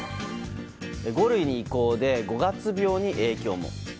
５類に移行で五月病に影響も。